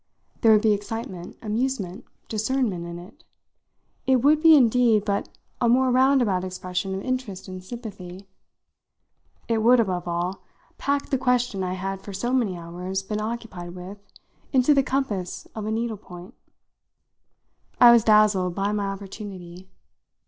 There would be excitement, amusement, discernment in it; it would be indeed but a more roundabout expression of interest and sympathy. It would, above all, pack the question I had for so many hours been occupied with into the compass of a needle point. I was dazzled by my opportunity.